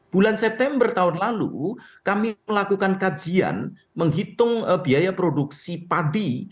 bulan september tahun lalu kami melakukan kajian menghitung biaya produksi padi